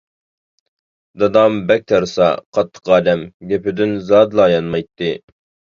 دادام بەك تەرسا، قاتتىق ئادەم، گېپىدىن زادىلا يانمايتتى.